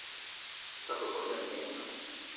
Issa bebo gne ane ayi ma